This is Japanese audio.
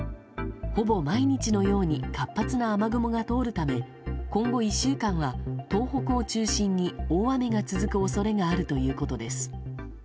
ほぼ毎日のように活発な雨雲が通るため今後１週間は東北を中心に大雨が続く恐れがあるということです。